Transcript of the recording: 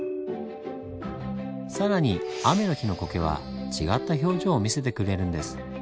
更に雨の日のコケは違った表情を見せてくれるんです。